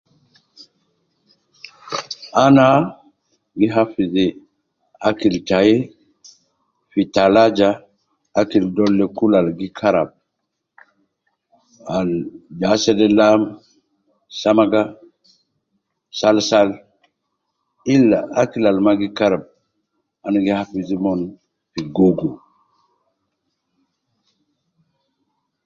Ana gi hafidhi akili tai fi talaja akili dole kulu al agikarabu al ja asede samaga salsal ila akil al ma gikarabu ana gi hafidhi umon fi gugu.